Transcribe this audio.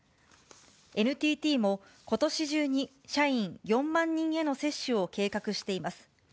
ＮＴＴも、ことし中に社員４万人への接種を計画しています。